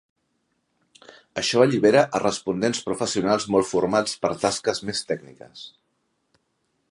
Això allibera a respondents professionals molt formats per a tasques més tècniques.